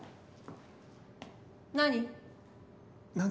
何？